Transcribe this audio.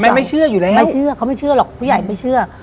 ไม่ไม่เชื่ออยู่แล้วไม่เชื่อเขาไม่เชื่อหรอกผู้ใหญ่ไม่เชื่อ